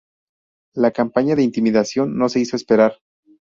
La campaña de intimidación no se hizo esperar.